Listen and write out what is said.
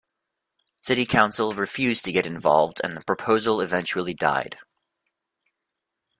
City council refused to get involved and the proposal eventually died.